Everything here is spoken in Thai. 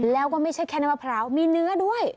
แล้วก็ไม่ใช่แค่น้ำมะพร้าวมีเนื้อด้วย